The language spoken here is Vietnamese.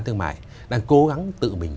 thương mại đang cố gắng tự mình